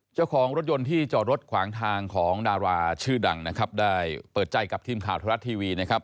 เจ้าของรถยนต์ที่จอดรถขวางทางของดาราชื่อดังนะครับได้เปิดใจกับทีมข่าวธรรมรัฐทีวีนะครับ